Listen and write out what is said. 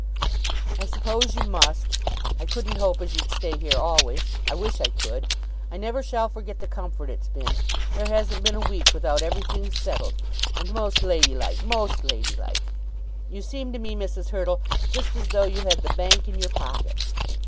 "I suppose you must. I couldn't hope as you'd stay here always. I wish I could. I never shall forget the comfort it's been. There hasn't been a week without everything settled; and most ladylike, most ladylike! You seem to me, Mrs. Hurtle, just as though you had the bank in your pocket."